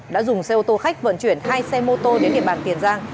đã dùng xe ô tô khách vận chuyển hai xe mô tô đến địa bàn tiền giang